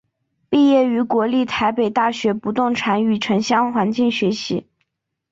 毕业于国立台北大学不动产与城乡环境学系。